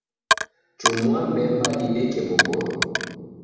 Chumua mbemba dideke boboro